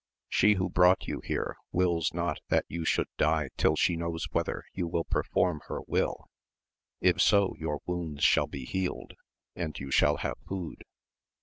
She who brought you here wills not that you should die till she knows whether you will perform her will ; if so, your wounds shall be healed, and you shall have food.